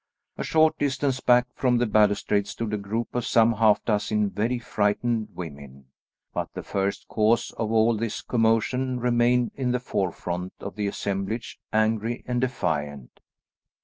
A short distance back from the balustrade stood a group of some half dozen very frightened women. But the first cause of all this commotion remained in the forefront of the assemblage, angry and defiant.